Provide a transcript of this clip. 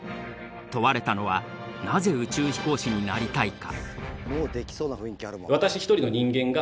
問われたのは「なぜ宇宙飛行士になりたいか？」。